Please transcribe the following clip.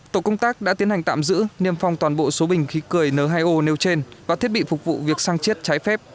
tổ công tác đã tiến hành tạm giữ niêm phong toàn bộ số bình khí cười n hai o nêu trên và thiết bị phục vụ việc xăng chiết trái phép